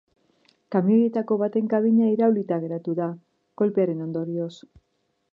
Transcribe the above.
Kamioietako baten kabina iraulita geratu da, kolpearen ondorioz.